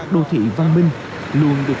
đô thị văn minh luôn được